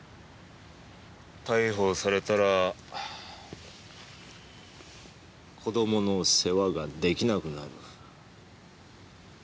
逮捕されたら子供の世話が出来なくなる。